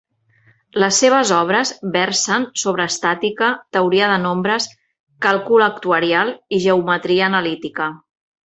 Les seves obres versen sobre estàtica, teoria de nombres, càlcul actuarial i geometria analítica.